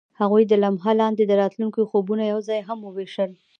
هغوی د لمحه لاندې د راتلونکي خوبونه یوځای هم وویشل.